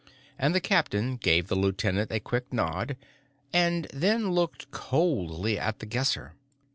And the captain gave the lieutenant a quick nod and then looked coldly at The Guesser.